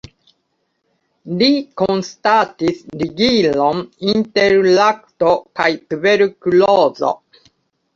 Li konstatis ligilon inter lakto kaj tuberkulozo.